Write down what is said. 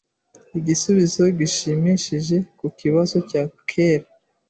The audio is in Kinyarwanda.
igisubizo gishimishije ku kibazo cya kera